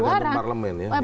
tergantung parlemen ya